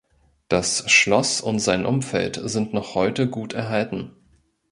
Das Schloss und sein Umfeld sind noch heute gut erhalten.